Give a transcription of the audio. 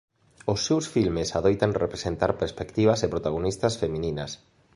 Os seus filmes adoitan representar perspectivas e protagonistas femininas.